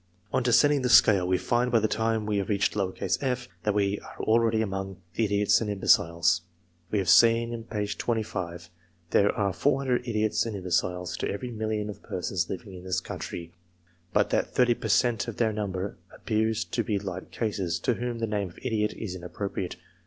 On descending the scale, we find by the time we have reached f, that we are already among the idiots and im beciles. We have seen inj^jl, that there are 400 idiots and imbeciles, to every million of persons living in this country ; but that 30 per cent, of their number, appear to be light cases, to whom the name of idiot is inappropriate.